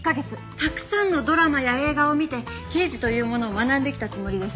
たくさんのドラマや映画を見て刑事というものを学んできたつもりです。